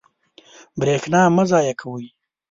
برېښنا مه ضایع کوئ.